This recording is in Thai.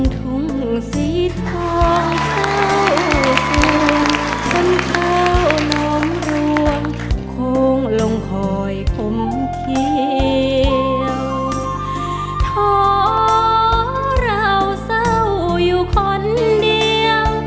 เราเศร้าอยู่คนเดียว